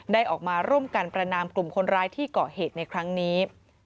ได้ออกมาร่วมกันประนามกลุ่มคนร้ายที่เกาะเหตุในครั้งนี้